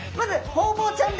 ホウボウちゃん。